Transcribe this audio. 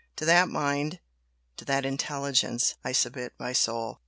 To that Mind to that Intelligence I submit my soul!